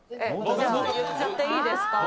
言っちゃっていいですか。